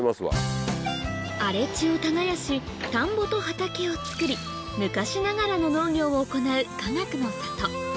荒れ地を耕し田んぼと畑を作り昔ながらの農業を行うかがくの里